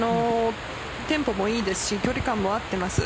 テンポもいいですし距離感も合っています。